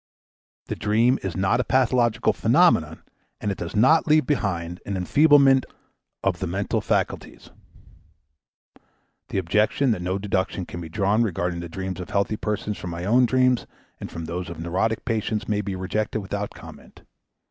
The dream is not a pathological phenomenon, and it does not leave behind an enfeeblement of the mental faculties. The objection that no deduction can be drawn regarding the dreams of healthy persons from my own dreams and from those of neurotic patients may be rejected without comment.